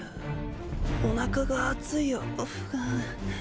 おなかが熱いよフガン。